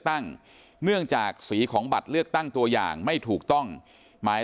เนื่องจากสีของบัตรเลือกตั้งตัวอย่างไม่ถูกต้องหมาย